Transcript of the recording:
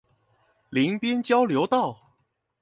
林邊交流道